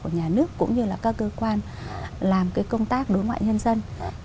của nhà nước cũng như là các cơ quan làm cái công tác đối ngoại nhân dân